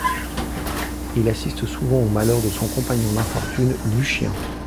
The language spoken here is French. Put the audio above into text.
Il assiste souvent aux malheurs de son compagnon d’infortune Luchien.